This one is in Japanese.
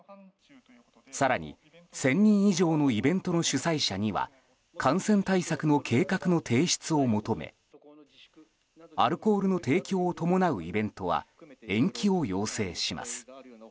更に、１０００人以上のイベントの主催者には感染対策の計画の提出を求めアルコールの提供を伴うイベントは延期を要請します。